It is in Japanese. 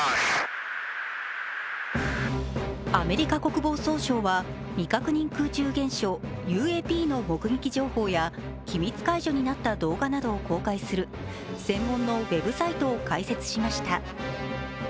アメリカ国防総省は未確認空中現象＝ＵＡＰの目撃情報や機密解除になった動画などを公開する専門のウェブサイトを開設しました。